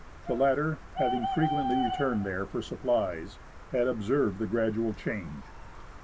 The latter, having frequently returned there for supplies, had observed the gradual change.